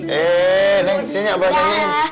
heee neng sini abah nyanyiin